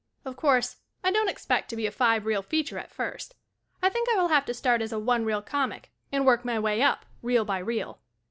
Of course, I don't expect to be a five reel feature at first. I think I will have to start as a one reel comic and work my way up reel by reel.